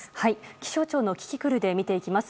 気象庁のキキクルで見ていきます。